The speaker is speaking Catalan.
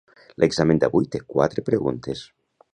L'examen d'avui té quatre preguntes.